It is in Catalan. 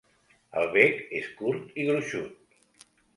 El bec és curt i gruixut.